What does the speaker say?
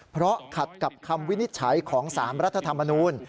เพราะขัดกับคำวินิจฉัยของ๓รัฐธรรมนูล